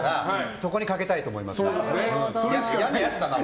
そこにかけたいと思います。